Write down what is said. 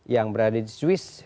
yang berada di swiss